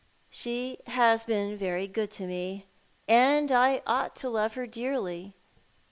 She has been very good to me, and I ought to love her dearly.